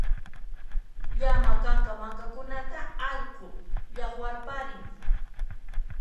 Llama kanka mankakunata allqu llaqwarparin